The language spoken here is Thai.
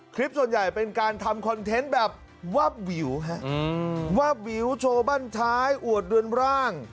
คลิปส่วนใหญ่เป็นการทำคอนเทนต์แบบวาบวิวฮะวาบวิวโชว์บ้านท้ายอวดเรือนร่าง